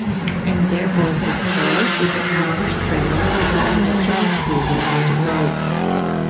And their voice was hoarse, with an anguish tremor, as if emotion was squeezing their throat.